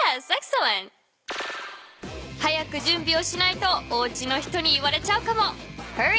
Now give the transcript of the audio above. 早くじゅんびをしないとおうちの人に言われちゃうかも。